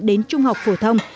đến trung học phổ thông